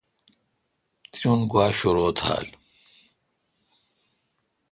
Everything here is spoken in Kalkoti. تی اون گوا شرو تھال۔